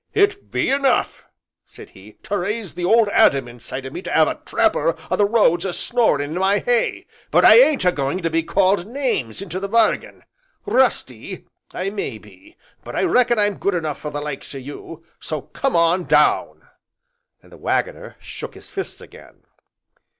"It be enough," said he, "to raise the 'Old Adam' inside o' me to 'ave a tramper o' the roads a snoring in my hay, but I ain't a going to be called names, into the bargain. 'Rusty' I may be, but I reckon I'm good enough for the likes o' you, so come on down!" and the Waggoner shook his fists again.